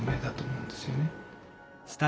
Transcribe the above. うん。